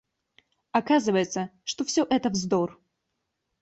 Оказывается, что все это вздор!